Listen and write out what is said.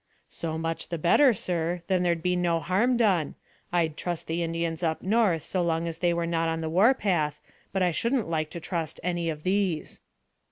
"So much the better, sir. Then there'd be no harm done. I'd trust the Indians up north so long as they were not on the warpath, but I shouldn't like to trust any of these."